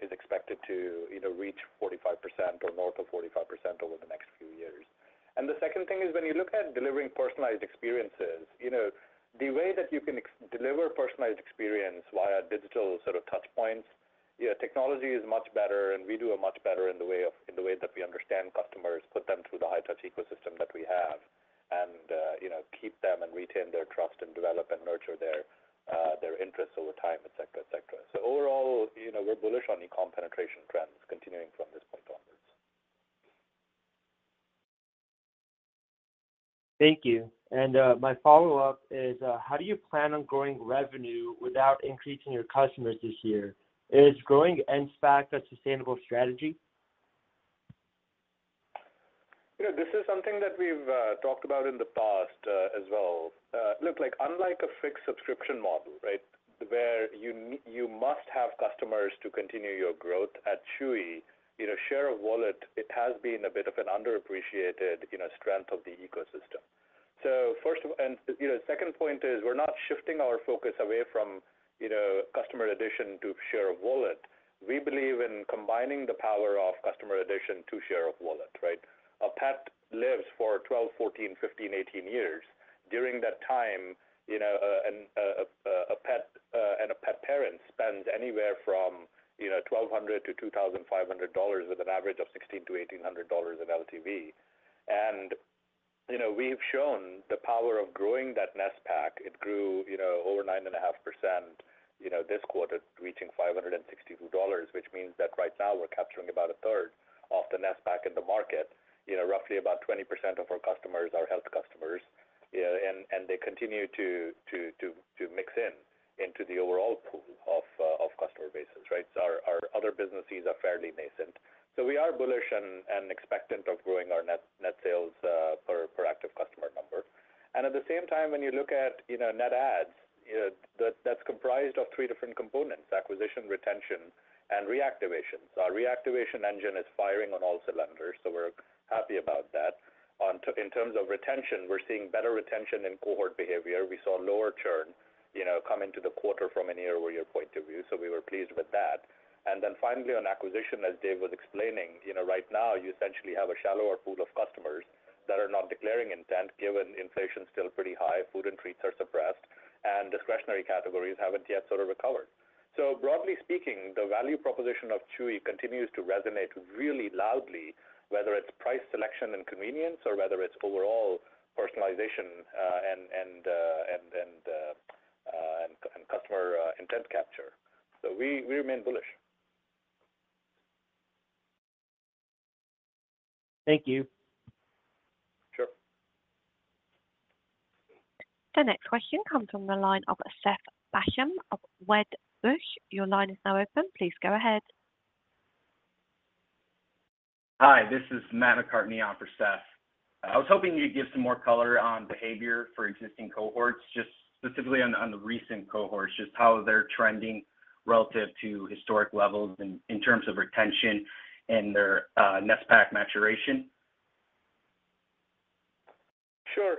is expected to, you know, reach 45% or more to 45% over the next few years. And the second thing is, when you look at delivering personalized experiences, you know, the way that you can deliver personalized experience via digital sort of touch points, you know, technology is much better, and we do a much better in the way- in the way that we understand customers, put them through the high touch ecosystem that we have, and, you know, keep them and retain their trust and develop and nurture their, their interests over time, et cetera, et cetera. So overall, you know, we're bullish on e-com penetration trends continuing from this point onwards. Thank you. And, my follow-up is, how do you plan on growing revenue without increasing your customers this year? Is growing Net SPAC a sustainable strategy? You know, this is something that we've talked about in the past as well. Look, like, unlike a fixed subscription model, right, where you must have customers to continue your growth, at Chewy, you know, share of wallet, it has been a bit of an underappreciated, you know, strength of the ecosystem. So first. And, you know, second point is, we're not shifting our focus away from, you know, customer addition to share of wallet. We believe in combining the power of customer addition to share of wallet, right? A pet lives for 12, 14, 15, 18 years. During that time, you know, a pet and a pet parent spends anywhere from, you know, $1,200-$2,500, with an average of $1,600-$1,800 in LTV. You know, we've shown the power of growing that NSPAC. It grew, you know, over 9.5%, you know, this quarter, reaching $562, which means that right now we're capturing about a third of the NSPAC in the market. You know, roughly about 20% of our customers are health customers, and they continue to mix into the overall pool of customer bases, right? So our other businesses are fairly nascent. So we are bullish and expectant of growing our net sales per active customer number. And at the same time, when you look at, you know, net adds, you know, that's comprised of three different components: acquisition, retention, and reactivation. So our reactivation engine is firing on all cylinders, so we're happy about that. In terms of retention, we're seeing better retention in cohort behavior. We saw lower churn, you know, come into the quarter from a year-over-year point of view, so we were pleased with that. And then finally, on acquisition, as Dave was explaining, you know, right now, you essentially have a shallower pool of customers that are not declaring intent, given inflation is still pretty high, food and treats are suppressed, and discretionary categories haven't yet sort of recovered. So broadly speaking, the value proposition of Chewy continues to resonate really loudly, whether it's price, selection, and convenience, or whether it's overall personalization and customer intent capture. So we remain bullish. Thank you. Sure. The next question comes from the line of Seth Basham of Wedbush. Your line is now open. Please go ahead. Hi, this is Matt McCartney on for Seth. I was hoping you'd give some more color on behavior for existing cohorts, just specifically on, on the recent cohorts, just how they're trending relative to historic levels in, in terms of retention and their NSPAC maturation. Sure.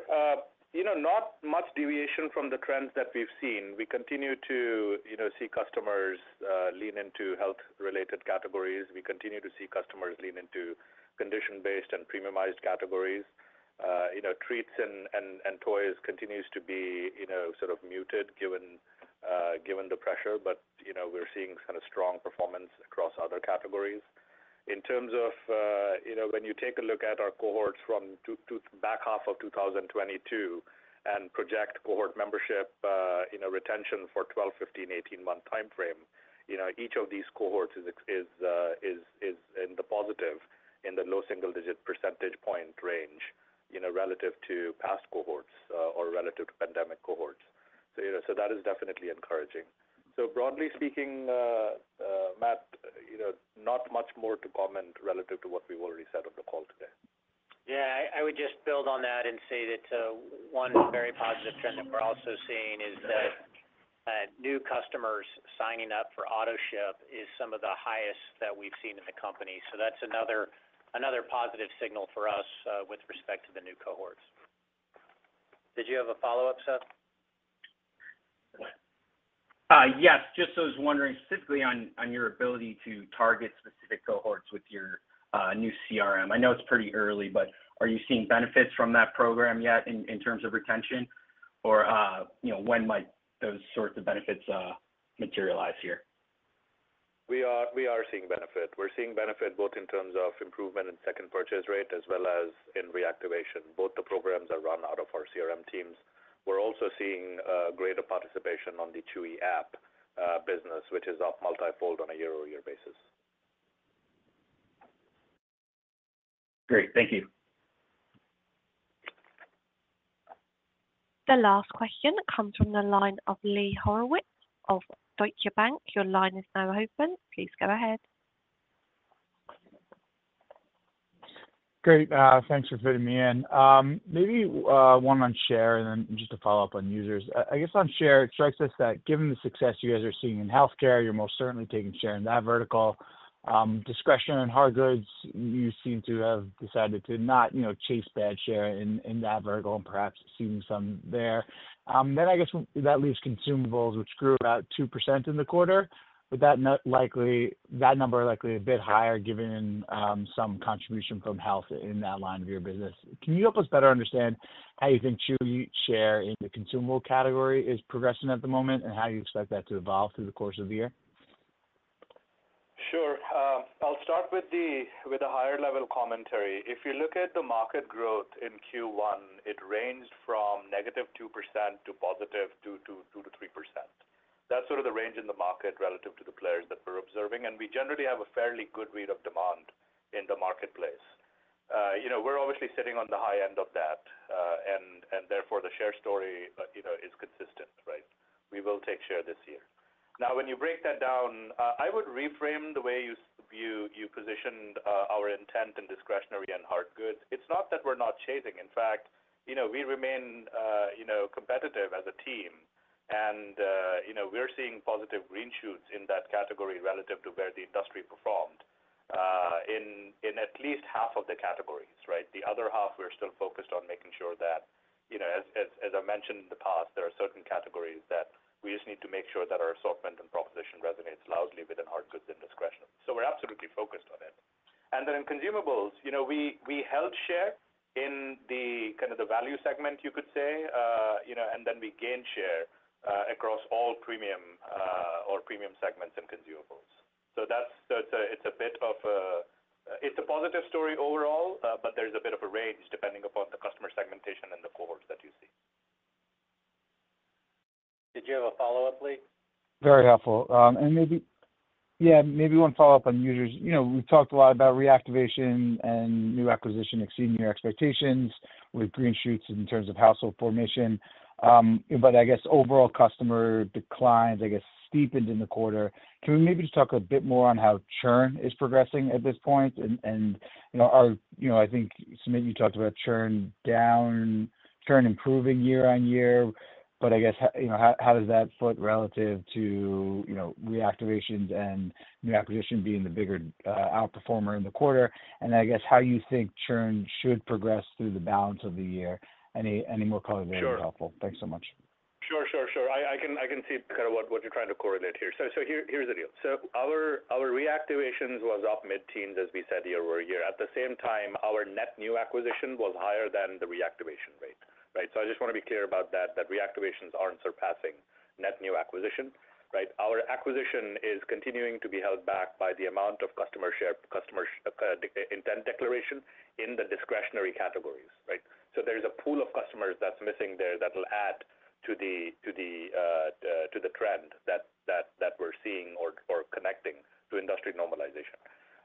You know, not much deviation from the trends that we've seen. We continue to see customers lean into health-related categories. We continue to see customers lean into condition-based and premiumized categories. You know, treats and toys continues to be, you know, sort of muted, given the pressure, but, you know, we're seeing kind of strong performance across other categories. In terms of, you know, when you take a look at our cohorts from 2022 back half of 2022, and project cohort membership, you know, retention for 12-month, 15-month, 18-month time frame, you know, each of these cohorts is in the positive, in the low single-digit percentage point range, you know, relative to past cohorts, or relative to pandemic cohorts. So, you know, so that is definitely encouraging. Broadly speaking, Matt, you know, not much more to comment relative to what we've already said on the call today. Yeah, I would just build on that and say that one very positive trend that we're also seeing is that new customers signing up for Autoship is some of the highest that we've seen in the company. So that's another positive signal for us with respect to the new cohorts. Did you have a follow-up, Seth? Yes, just I was wondering specifically on your ability to target specific cohorts with your new CRM. I know it's pretty early, but are you seeing benefits from that program yet in terms of retention? Or, you know, when might those sorts of benefits materialize here? We are, we are seeing benefit. We're seeing benefit both in terms of improvement in second purchase rate as well as in reactivation. Both the programs are run out of our CRM teams. We're also seeing greater participation on the Chewy app business, which is up multifold on a year-over-year basis. Great. Thank you. The last question comes from the line of Lee Horowitz of Deutsche Bank. Your line is now open. Please go ahead. Great. Thanks for fitting me in. Maybe one on share and then just to follow up on users. I guess on share, it strikes us that given the success you guys are seeing in healthcare, you're most certainly taking share in that vertical. Discretionary and hard goods, you seem to have decided to not, you know, chase bad share in that vertical and perhaps seeing some there. Then I guess that leaves consumables, which grew about 2% in the quarter, with that number likely a bit higher given some contribution from health in that line of your business. Can you help us better understand how you think Chewy share in the consumable category is progressing at the moment, and how you expect that to evolve through the course of the year? Sure. I'll start with a higher level commentary. If you look at the market growth in Q1, it ranged from negative 2% to positive 2%-3%. That's sort of the range in the market relative to the players that we're observing, and we generally have a fairly good read of demand in the marketplace. You know, we're obviously sitting on the high end of that, and therefore, the share story, you know, is consistent, right? We will take share this year. Now, when you break that down, I would reframe the way you view our intent and discretionary and hardgoods. It's not that we're not chasing. In fact, you know, we remain, you know, competitive as a team. And, you know, we're seeing positive green shoots in that category relative to where the industry performed in at least half of the categories, right? The other half, we're still focused on making sure that, you know, as I mentioned in the past, there are certain categories that we just need to make sure that our assortment and proposition resonates loudly within hard goods and discretion. So we're absolutely focused on it. And then in consumables, you know, we held share in the kind of the value segment, you could say, you know, and then we gained share across all premium or premium segments in consumables. So that's so it's a, it's a bit of... It's a positive story overall, but there's a bit of a range depending upon the customer segmentation and the cohorts that you see. Did you have a follow-up, Lee? Very helpful. And maybe, yeah, maybe one follow-up on users. You know, we've talked a lot about reactivation and new acquisition exceeding your expectations, with green shoots in terms of household formation. But I guess overall customer declines, I guess, steepened in the quarter. Can we maybe just talk a bit more on how churn is progressing at this point? And you know, I think, Sumit, you talked about churn down, churn improving year-over-year, but I guess, you know, how, how does that look relative to, you know, reactivations and new acquisition being the bigger, outperformer in the quarter? And I guess how you think churn should progress through the balance of the year. Any more color there will be helpful. Sure. Thanks so much. Sure, sure, sure. I can see kind of what you're trying to correlate here. So here, here's the deal. So our reactivations was up mid-teens, as we said, year over year. At the same time, our net new acquisition was higher than the reactivation rate, right? So I just want to be clear about that, reactivations aren't surpassing net new acquisition, right? Our acquisition is continuing to be held back by the amount of customer share, customer de-intent declaration in the discretionary categories, right? So there is a pool of customers that's missing there that will add to the trend that we're seeing or connecting to industry normalization.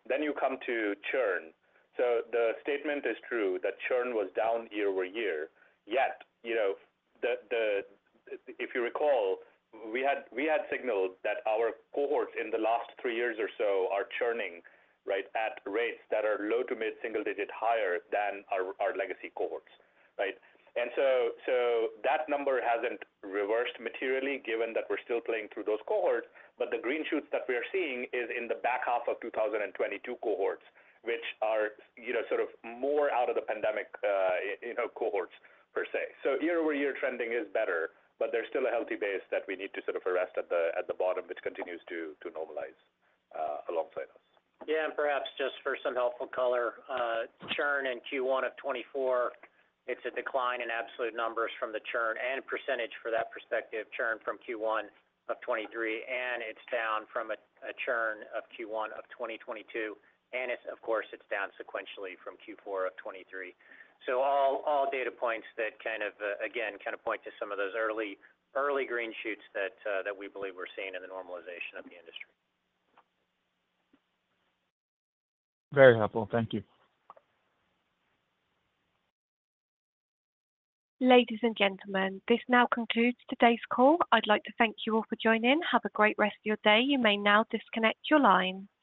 Then you come to churn. So the statement is true that churn was down year over year. Yet, you know, if you recall, we had, we had signaled that our cohorts in the last three years or so are churning, right, at rates that are low- to mid-single-digit higher than our, our legacy cohorts, right? And so, so that number hasn't reversed materially given that we're still playing through those cohorts, but the green shoots that we are seeing is in the back half of 2022 cohorts, which are, you know, sort of more out of the pandemic, you know, cohorts per se. So year-over-year trending is better, but there's still a healthy base that we need to sort of arrest at the, at the bottom, which continues to, to normalize, alongside us. Yeah, and perhaps just for some helpful color, churn in Q1 of 2024, it's a decline in absolute numbers from the churn and percentage for that perspective, churn from Q1 of 2023, and it's down from a churn of Q1 of 2022, and of course it's down sequentially from Q4 of 2023. So all data points that kind of, again, kind of point to some of those early, early green shoots that we believe we're seeing in the normalization of the industry. Very helpful. Thank you. Ladies and gentlemen, this now concludes today's call. I'd like to thank you all for joining. Have a great rest of your day. You may now disconnect your line.